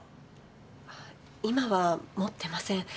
今は持ってません。